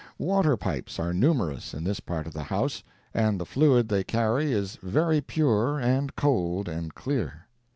Water pipes are numerous in this part of the house, and the fluid they carry is very pure, and cold and clear.